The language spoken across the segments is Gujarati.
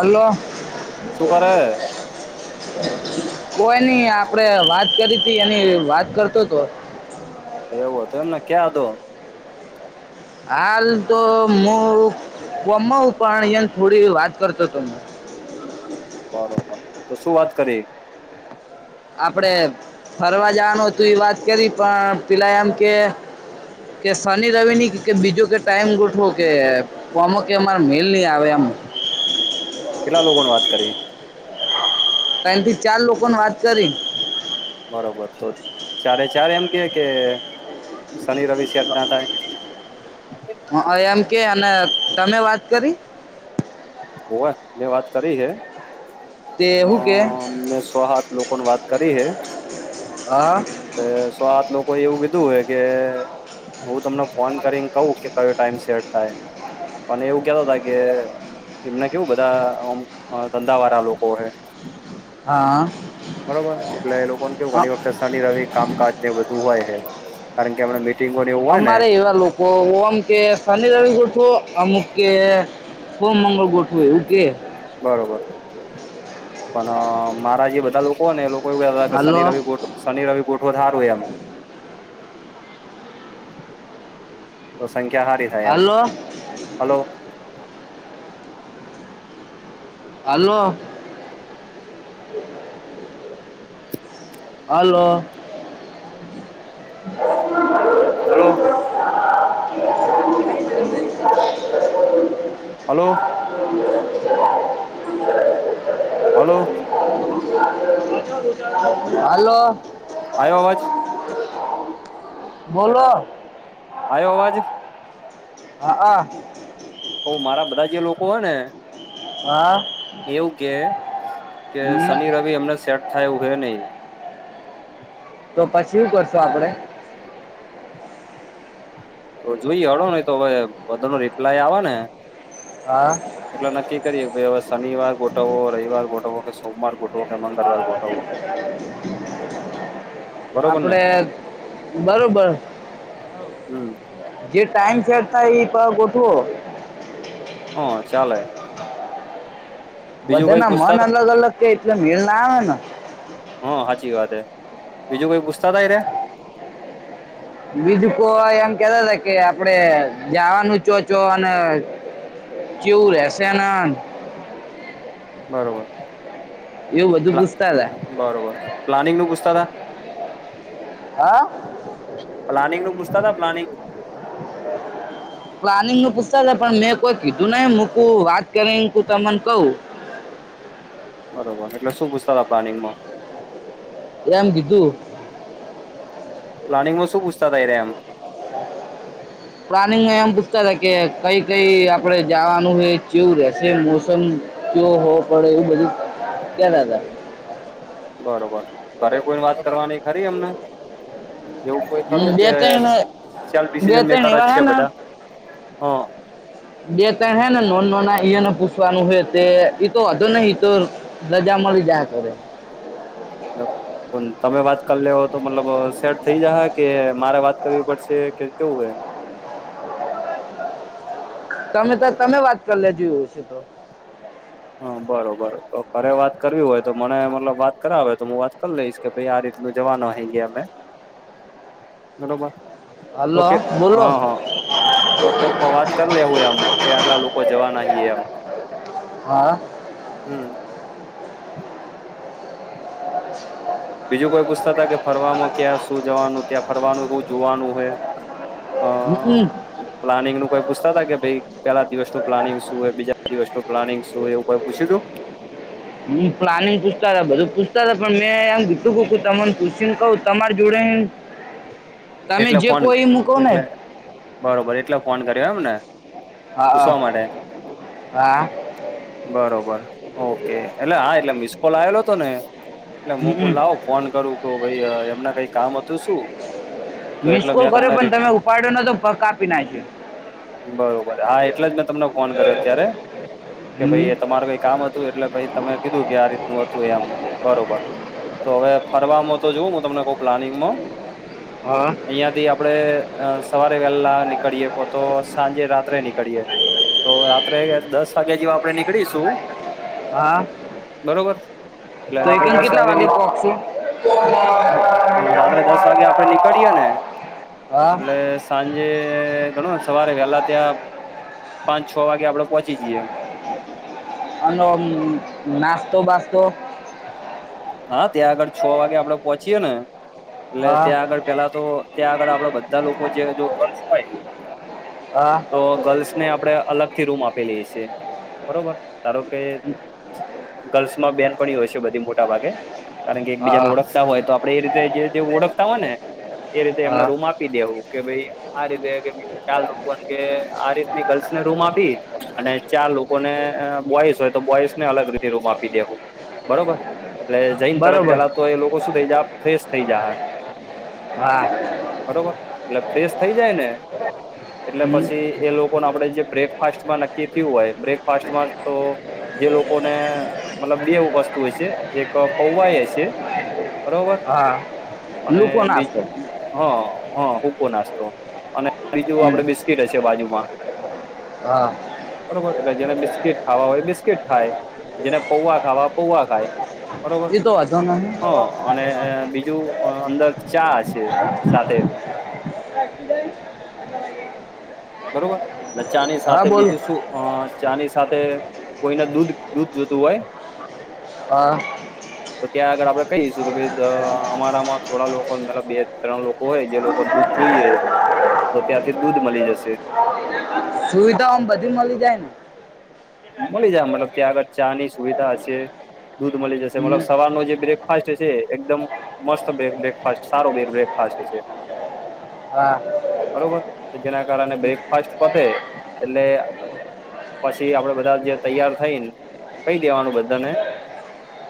હલો. શું કરે. કોઈ નઈ આપડે વાત કરી હતી એની વાત કરતો હતો. એવું તો એમને ક્યા હતો? હાલ તો હું કમાવ પણ એ થોડી વાત કરતો હતોમે. બરોબર, તો શું વાત કરી? આપડે ફરવા જવાનું હતું એ વાત કરી પણ પેલા એમ કે કે શનિ રવિની કે બીજું કે ટાઈમ ગોઠવો કે. તો અમ કે અમારે મેલ નહી આવે એમ. કેટલા લોકો ને વાત કરી? ત્રણ થી ચાર લોકો ને વાત કરી. બરોબર તો ચારે ચારે એમ કે કે શનિ રવિશ અચના થાય? હા એમ કે અને તમે વાત કરી? હોવે મેને વાત કરી હે. તે હ શું કે મેં સવહાથ લોકોની વાત કરી હે. હા સો આત લોકો એવું કીધું હોય કે હું તમને ફોન કરીને કઉ કે કયો ટાઈમ સેટ થાય, અને એવું કેતા ત કે એમને કેવું બધા ધંધા વાળ લોકો હે. હા. બરોબર એટલે એ લોકોને કેવું હા ઘણી વખતે શનિ ર કામકાજ જે બધું હોય હ. કારણ કે એમને મીટિંગોને એવું હોય ને. [unintelligible] ફોમ મંગળ ગોઠ હોય ઉકે. બરોબર, પણ મારા જે બધા લોકો ને એ લોકો એવું ક શનિ હાલો રવિશનિ રવિ ગોટ વધ વધારું એમ. તો સંખ્યા સારી થાય એમ, hello hello. Hello. Hello. Hello. [unintelligible] Hello [unintelligible] hello. Hello. આવ્યો અવાજ? બોલો. આવ્યો અવાજ? [unintelligible] મારા બધા જે લોકો હોય ને. હા. એવું કે, કે હમ. શનિ રવિ એમને સેટ થાય એવું હે નહી. તો પછી શ કરશું આપડે? તો જોઈએ હડો નહ તો હવે બધા નો રિપ્લાય આવે ને. હા. નક્કી કરીએ કે હવે શનિર ગોઠવો રવવાર ગોઠવો. સોમવાર ગોઠવવો. કે મંગળવાર બરોબર ને આપડે બરોબર. હમ્મ. જે ટાઈમ સેટ થાય એ ગોઠો. હા ચાલ. કઈ બધાના પૂછતા મન તા અલગ અલગ કે એ મેળ ના આવે ને. હા સાચી વાત હ, બીજું કોઈ પૂછતા તાય રે? બીજું કો એમ કેતા હતા કે આપડે જવાનું ચોચો અને કેવું રહેશે નાંદ બરોબર. એવું બધું પૂછતા હતા. બરોબર, પ્લાનિંગ નું પુસ્તા ત? હા પ્લાનિંગ નું પૂછતા હતા પ્લાનિંગ? પ્લાનિંગ ન પૂછતા પણ મેં કોઈ કીધું નહી મૂકું વાત કરીક ત મને કવ. બરોબર એટલે શું પૂછતા હતા પ્લાનિંગમાં? એમ કીધું. પ્લાિંગમાં પૂછતાય રે એમ? પ્લાનિંગ એમ પૂછતા હતા કે કઈ કઈ આપણે જવાનું હોય કેવું રહેશે મોસમ. જોયો હો પણ એવું બધું ક્યા ના હતા. બરોબર, ઘરે કોઈ વાત કરવાની ખરી એમને? એવું કોઈ હું ખરું બે ત્રણ બે કેસીન ત્રણ મેકર જ એવા હે છે ને બધા હ. બે ત્રણ હે ને નોન લોનનુંઈને પૂછવાનું હોય તે તો નહતો રજા મળી જયા કરે. [unintelligible] તમે વાત કરી લે હો તો મતલબ સેટ થઇ જા કે મારે વાત કરવી પડશે કે કેવું હે? તમે તો હે તમે વાત કર લ જોયું હશે તો. હા બરોબર તો ઘરે વાત કરવી હોય તો મને મતલબ વાત કરાવ આવે તો હું વાત કરી લઈશ. કે ભાઈ આ રીત ન જવાનું અહી ગયા અમે, બરોબર. તો હલો કે બોલો હા હા. તો કોઈ વાત કરી લે હું એમ કે આટલા લોકો જવા નાએ એમ. હા. હમ. બ. [inaudible] બીજું કોઈ પુતા હતા કે ફરવાવામાં ક્યાં શું જવાનું ત્યાં ફરવાનું શું જોવાનું હોય. હ હમ. [unintelligible] પ્લાનિંગ નું કોઈ પૂછતા હતા કે ભાઈ? પેલા દિવસનું પ્લાનિંગ શું હોય બીજા દિવસનું પ્લાિંગ શું હો એવુંઈ પૂછ્યું છું? હ પ્લાનિંગ પૂછતા હતા બધું પૂછતા હતા પણ મેં એમ કીતું કક તમને પૂછને ક તમારી જોડે તમે એટલે જે ફોન કોઈ હું કહું એટલે ને બરોબર એટલે ફોન કર્યો એમને, પૂછવા હા માટે? હા બરોબર ઓકે એટલે હા એટલે મિસ કોલ આવેલો હતો ને. એટલે મોકલ લાવો ફોન કરું કે ભાઈ એમના કઈ કામ હતું શું. તો મિસ એટલે કોલ મેં કર્યો તમને પણ તમે ઉપાડ્યો ન તો પક્ક આપી નાખ્યો. બરોબર હા એટલે જ મેં તમને ફોન કર્યો અત્યારે. કે હમ ભાઈ એ તમાર કઈ કામ હતું એટલે ભ તમે કીધું કે આ રીતનું હતું એમ બરોબર. તો હવે ફરવાવામાં તો જોવું હું તમને કઉ પ્લાનિંગમાં. હા. અયા થી આપડે સવારે વહેલા નીકળીયે. તો સાંજે રાત્રે નીકળીએ તો રાત્રે દસ વાગ્યા જેવા આપડે નીકળીશું. હા બરોબર. એટલે તો રાત્રે કેમ દસ કેટલા વાગે ની પહોચશે. નીકળીએ ને. હા. એટલે સાંજે ઘણો સવારે વહેલા ત્યાં પાંચ છ વાગે આપડે પહોંચી જઈએ. અને નાસ્તો બાસ્તો. હા ત્યાં આગળ છ વાગે આપડે પોહોંચીયે ને. એટલે હા ત્યાં આગળ પેલા તો ત્યાં આગળ આપડે બધા લોકો જે જો ગલ્સ હોય. હા તો ગર્લ્સને આપણે અલગથી રૂમ આપેલીઈએ છેીએ બરોબર ધારો કે. ગર્લ્સમાં બેનપણી હોય છે બધી મોટા ભાગે. કારણ કે એક બીજાને હા ઓળખતા હોય તો આપણેે એ રીતે જે ઓળખતા હોય ને એ રીતે એમના હા રૂમ આપ. આપી દેવું કે ભાઈ આ રીતે કે ભ ચાલું કે આ રીતની ગર્લ્સ ને રૂમ આપી. અને ચાર લોકોને બોઈસ હોય તો બોઈસને અલગ રીતે રૂમ આપી દેવું બરોબર. એટલે જઈને તરત બરોબર પેલા તો એ લોકો શું થઈ જા ફેશ થઈ જા હ. વા. બરોબર એટલે ફ્રેશ થઈ જાય ને એટલે હમ પછી. એ લોકોને આપડે જે બ્રેકફાસ્ટ માં નક્કી થયું હોય. બ્રેકફાસ્ટમાં તો જે લોકોને મતલબ બેવું વસ્તુ હોય છે. એક પૌવા એ છે બરોબર હા અને લૂકો બીજ. નાસ્તો હા હ હૂકો નાસ્તો અને બીજું હમ. આપડ બિસ્કીટ હશે બાજુમાં. હા. જેને બિસ્કીટ ખાવા હોય બિસ્કીટ ખાય જેને પૌવા ખાવા પૌવા ખાય. બરોબર એ તો વાંધો નહીં હ અને બીજું અંદર ચા છે સાથે. બરોબર ચા ની હા સાથે બોલ બીજું શું ચાની સાથે કોઈને દૂધ દૂધ જોતું હોય હા [inaudible] તો ત્યાં આગળ આપડે કહીશું કે ભાઈ અમારામાં થોડા લોકો મતલબ બે ત્રણ લોકો હોય જે લોકોને દૂધ જોઈએ તો ત્યાંથી દૂધ મળી જશે સુવિધાઓ આમ બધી મળી જાય ને મળી જાય મતલબ ત્યાં આગળ ચા ની સુવિધા હશે દૂધ મળી જશે મતલબ હમ. સવારનો જે બ્રેકફાસ્ટ હશે એકદમ મસ્ત બ્રેકફાસ્ટ સારો બ્રેકફાસ્ટ છે હા બરોબર જેના કારણે બ્રેકફાસ્ટ પતે એટલે પછી આપડે બધા જે તૈયાર થઈ ને કઈ દેવાનું બધાને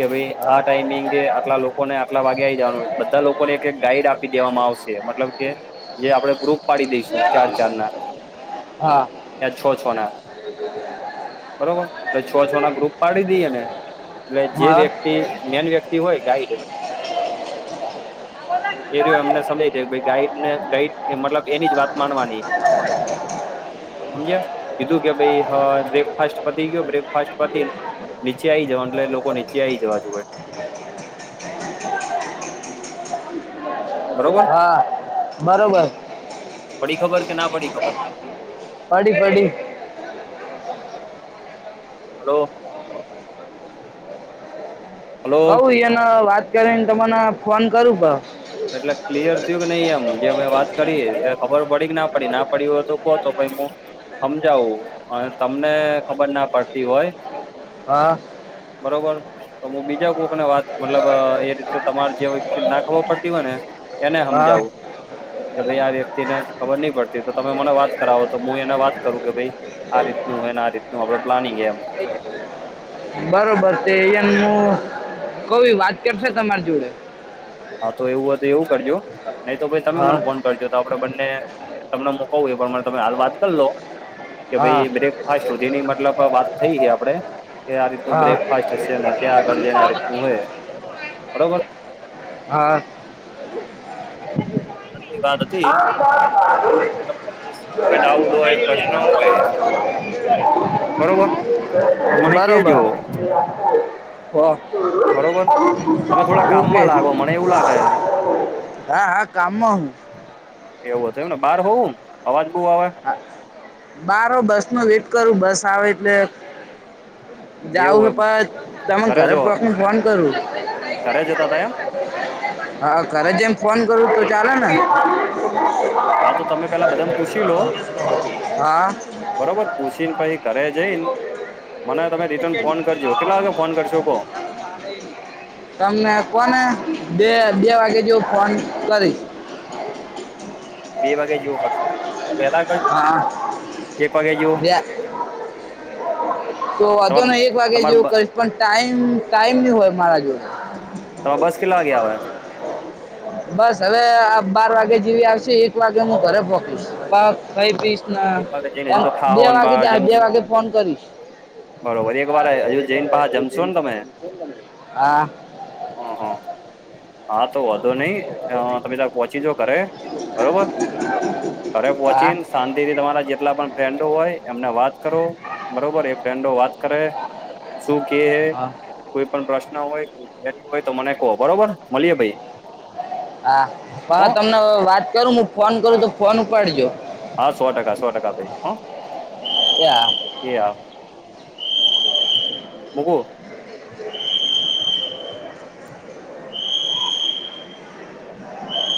કે ભાઈ આ હા ટાઈમિંગ આટલા લોકોને આટલા વાગ્યા જવા બધા લોકોને એક એક ગાઈડ આપ આપી દેવામાં આવશે મતલબ કે જે આપણે ગ્રુપ પાડી દઈશું ચાર ચાર ના હા યા છ છ ના [inaudible] બરોબર એટલે છ છ ના ગ્રુપ પાડી દઈએ ને એટલે જે હા વ્યક્તિ મેન વ્યક્તિ હોય ગાઈડ. એ એમને સમજાવી દેવી ગાઈડ ને ગાઈડ મતલબ એની જ વાત માનવાની. સમજ્યા કીધું કે ભાઈ હ બ્રેકફાસ્ટ પતી ગયો બ્રેકફાસ્ટ પતી. નીચે આવી જવાનું એટલે એ લોકો નીચે આઈ જવા જોઇ. બરોબર હા, બરોબર. તો પડી ખબર કે ના પડી ખબર? પડી પડી. હલો. હલો કઉું એને વાત કરીને તમને ફોન કરું. એટલે ક્લિયર થયું કે નહી એમ જે અમે વાત કરી એ ખબર પડી કે ના પડી પડી હોય તો કહો તો પછી સમજાવું અને તમને ખબર ના પડતી હોય. હા. બરોબર, તો હું બીજા કોક ને વાત મતલબ એ રીતે તમારે જે હોય ખબર ના પડતી હો ને એને હા સમજાવું. કે ભાઈ આ વ્યક્તિને ખબર નહી પડતી તો તમે મને વાત કરાવો તો હું એને વાત કરું કે ભાઈ આ રીતનું હોયને આ રીતનું આપણું પ્લાનિંગ એમ. બરોબર તે એમ કવ ઈ વાત કરશે તમારી જોડે. હા તો એવું હોય તો એવું કરજો, નહી તો પછી તમે હા મને ફોન કરજો તો આપણે બંને તમને મુકું એ પણ તમે હાલ વાત કરી લો. કે હા ભાઈ બ્રેકફાસ્ટ જેની મતલબ વાત થઈ છે આપડે. કે આ રીતનું હા બ્રેકફાસ્ટ છે ને ત્યાં આગળ જઈને આ રીતનું હોય, બરોબર. હ. તો અટલી જ વાત હતી. બીજું કોઈ તમને હોય ડાઉટ હોય પ્રશ્ન ના હોય, બરોબર, તો મને કેજો. હ, બરોબર તમે થોડા ઓકે. કામમાં લાગો મને એવું લાગે હા હા કામ હું. એવું હતું એમ ને બહાર હોવું અવાજ બહુ આવે? બાર બસ નું વેટ કરું બસ આવે એટલે જાવ એવું એમ હા, તમને ઘરે પહોંચી ને ફોન કરું. ઘરે જતાં હતા એમ? હા ઘરે જ એમ ફોન કરું તો ચાલે ને? હા તો તમે પેલા બધા હા. બરોબર પૂછી ને પછી કરે જઈને મને તમે રિટર્ન ફોન કરજો કેટલા વાગે ફોન કરશો કહો [inaudible] તમને કોને બે બે વાગે જેવું ફોન કરીશ. બે વાગે જવો કરશે? હા, એક વાગે જેવો બે તો વાંધો તમા નહીં, એક વાગે તમાર જેવું કરીશ પણ ટાઈમ ટાઈમ નહી હોય મારા જો. તમારે બસ કેટલા વાગે આવે? બસ હવે બાર વાગે જેવી આવશે એક વાગે હું ઘરે પોહચીશ. કઈ પીશ એક વાગે જઈને હજુ એમ તો બે ખાહો ને વાગે બા જ બે જમશો વાગે ફોન કરીશ. બરોબર. એક વાર હજુ જઈને પછી પાછુ જમશો ને તમે? હા હ હા. હા, તો વધો નઈ. તમે ત પહોંચી જો ઘરે, બરોબર. ઘરે હા પહોચીને શાંતિથી તમારા જેટલા પણ ફ્રેન્ડો હોય, એમને વાત કરો બરોબર. ફેન્ડો વાત કરે, શું કે હે? હા કોઈ પણ પ્રશ્ન હોય કોઈ હોય, તો મને કહો? બરોબર. મળીએ ભાઈ. હા, હવે હ તમને વાત કરું. હું ફોન કરું, હા તો ફોન ઉપાડજો. હા, સો ટકા સો, ટકા ભાઈ હા. એ હા એયા મુગો? [inaudible]